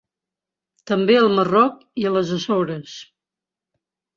També al Marroc i a les Açores.